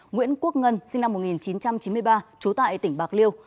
nguyễn quốc ngân sinh năm một nghìn chín trăm chín mươi ba trú tại tỉnh bạc liêu